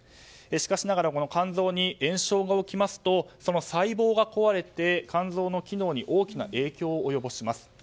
しかしながら肝臓に炎症が起きますとその細胞が壊れて肝臓の機能に大きな影響を及ぼします。